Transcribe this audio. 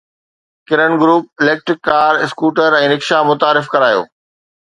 ڪرن group electric car scooter ۽ rickshaw متعارف ڪرايو